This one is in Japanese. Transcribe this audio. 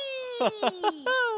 ハハハハ。